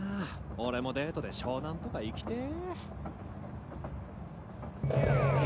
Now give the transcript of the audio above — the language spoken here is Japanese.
俺もデートで湘南とか行きてぇ。